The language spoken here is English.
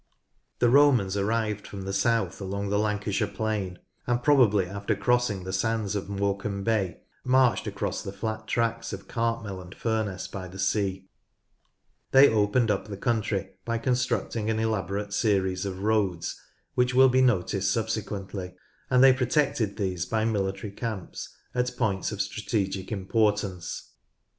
The Romans arrived from the south along the Lan cashire plain, and probably after crossing the sands of Morecambe Bay, marched along the flat tracts of Cartmel and Furness by the sea. They opened up the country by constructing an elaborate series of roads which will be noticed subsequently, and they protected these by mili tary camps at points of strategic importance.